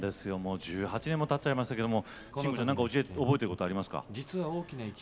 １８年もたってしまいましたけど香取さん覚えてることありますか？